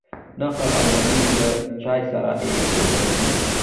نقل او ممیز له چای سره ایښودل کیږي.